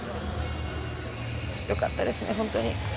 よかったですね、本当に。